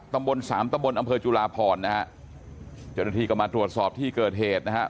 ตำบลสามตะบนอำเภอจุลาพรนะฮะเจ้าหน้าที่ก็มาตรวจสอบที่เกิดเหตุนะครับ